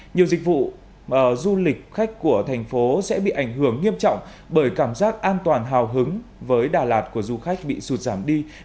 nhiều dịch vụ du lịch khách của thành phố sẽ bị ảnh hưởng nghiêm trọng bởi cảm giác an toàn hào hứng với đà lạt của du khách bị sụt giảm đi